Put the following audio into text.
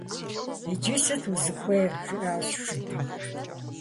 - Иджы сыт узыхуейр? - жиӏащ шыдым.